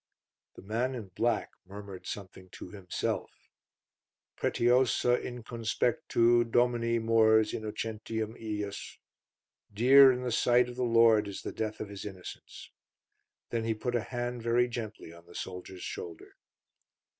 The man in black murmured something to himself: "Pretiosa in conspectu Domini mors innocentium ejus" Dear in the sight of the Lord is the death of His innocents. Then he put a hand very gently on the soldier's shoulder.